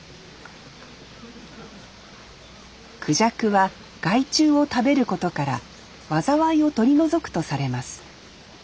クジャクは害虫を食べることから災いを取り除くとされます。